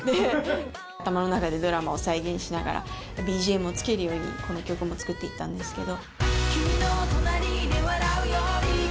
頭の中でドラマを再現しながら、ＢＧＭをつけるように、この曲も作っていったんですけど。